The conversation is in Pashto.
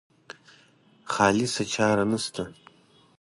خالصه چاره نشته.